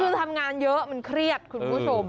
คือทำงานเยอะมันเครียดคุณผู้ชม